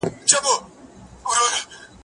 هغه وويل چي خبري مهمي دي